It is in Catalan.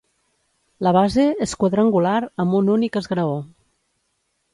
La base és quadrangular amb un únic esgraó.